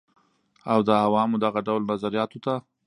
او د عوامو دغه ډول نظریاتو ته